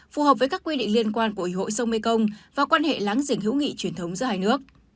phù hợp với các quy định liên quan của ủy hội sông mekong và quan hệ láng giềng hữu nghị truyền thống giữa hai nước